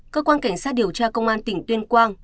cơ quan cảnh sát điều tra công an tỉnh tuyên quang